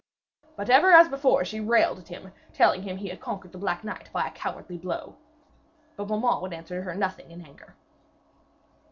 But ever as before she railed at him, telling him he had conquered the black knight by a cowardly blow; but Beaumains would answer her nothing in anger.